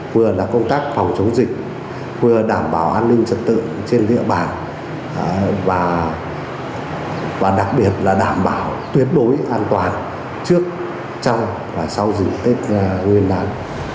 vừa là công tác phòng chống dịch vừa đảm bảo an ninh trật tự trên địa bàn và đặc biệt là đảm bảo tuyệt đối an toàn trước trong và sau dịp tết nguyên đán